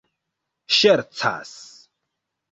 ŝercas